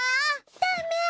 ダメ！